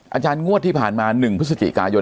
อาจารย์งวดที่ผ่านมา๑พฤศจิกายน